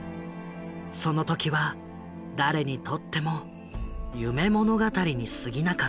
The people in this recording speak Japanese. その時は誰にとっても夢物語にすぎなかった。